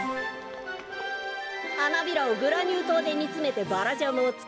はなびらをグラニューとうでにつめてバラジャムをつくるよ。